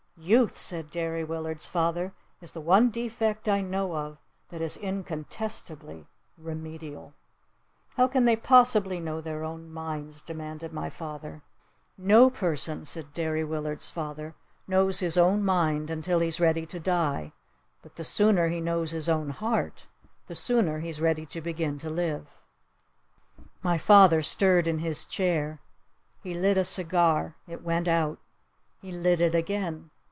"Youth," said Derry Willard's father, "is the one defect I know of that is incontestably remedial." "How can they possibly know their own minds?" demanded my father. "No person," said Derry Willard's father, "knows his own mind until he's ready to die. But the sooner he knows his own heart the sooner he's ready to begin to live." My father stirred in his chair. He lit a cigar. It went out. He lit it again.